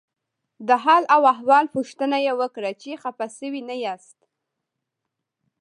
د حال او احوال پوښتنه یې وکړه چې خپه شوي نه یاست.